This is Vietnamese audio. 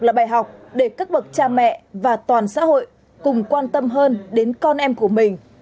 đây là bài học để các bậc cha mẹ và toàn xã hội cùng quan tâm hơn đến con em của mình